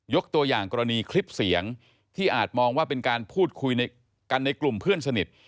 ตัวอย่างกรณีคลิปเสียงที่อาจมองว่าเป็นการพูดคุยกันในกลุ่มเพื่อนสนิท